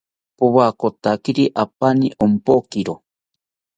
Powakotakiri apani ompokiro